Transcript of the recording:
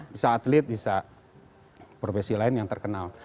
bisa atlet bisa profesi lain yang terkenal